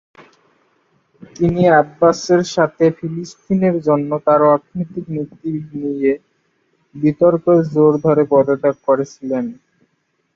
তিনি আব্বাসের সাথে ফিলিস্তিনের জন্য তার অর্থনৈতিক নীতি নিয়ে বিতর্কের জের ধরে পদত্যাগ করেছিলেন।